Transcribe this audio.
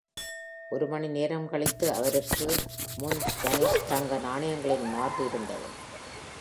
ஒரு மணி நேரம் கழித்து, அவருக்கு முன் ஸ்பானிஷ் தங்க நாணயங்களின் மார்பு இருந்தது.